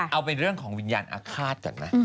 เอาเป็นเรื่องของวิญญาณอาฆาตก่อนนะ